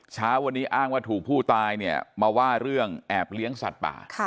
เช้าวันนี้อ้างว่าถูกผู้ตายเนี่ยมาว่าเรื่องแอบเลี้ยงสัตว์ป่า